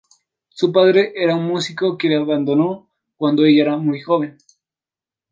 Su padre era un músico que la abandonó cuando ella era muy joven.